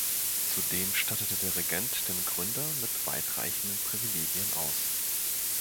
Zudem stattete der Regent den Gründer mit weitreichenden Privilegien aus.